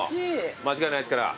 間違いないですから。